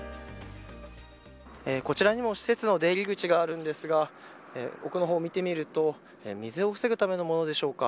こちらにも施設の出入り口があるんですが奥の方を見てみると水を防ぐためのものでしょうか。